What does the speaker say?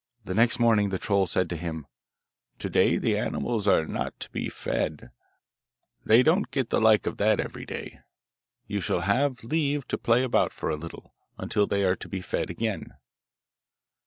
Next morning the troll said to him, 'To day the animals are not to be fed; they don't get the like of that every day. You shall have leave to play about for a little, until they are to be fed again.